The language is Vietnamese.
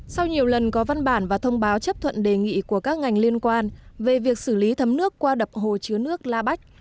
sau nhiều lần có văn bản và thông báo chấp thuận đề nghị của các ngành liên quan về việc xử lý thấm nước qua đập hồ chứa nước la bách